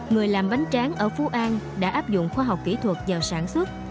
người làm bánh tráng ở phú an đã áp dụng khoa học kỹ thuật vào sản xuất